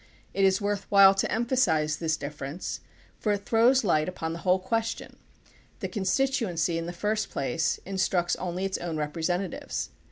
It is worth while to emphasize THE PUBLIC OPINION BILL 11 this difference, for it throws Hght upon the whole ques tion. The constituency, in the first place, instructs only its own representatives.